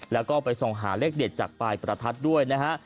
แล้วก็ไปส่องหาเลขเด็ดจากปลายประทัดด้วยนะฮะ